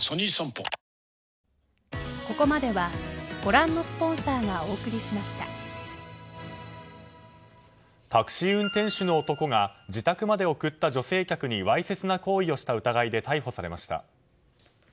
冬の寒さが続くようになりますのでタクシー運転手の男が自宅まで送った女性客にわいせつな行為をした疑いで逮捕されました。